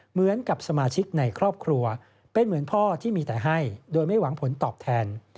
เหมือนกับสมาชิกในครอบครัวเป็นเหมือนพ่อที่มีแต่ให้โดยไม่หวังผลตอบแทน